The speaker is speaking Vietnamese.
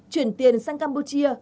chuyển tiền sang campuchia